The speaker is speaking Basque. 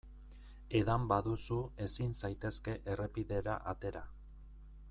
Edan baduzu ezin zaitezke errepidera atera.